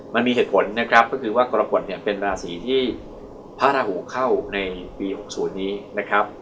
มันมีเหตุผลนะครับก็คือว่ากรกฎเนี่ยเป็นราศีที่พระราหูเข้าในปี๖๐นี้นะครับ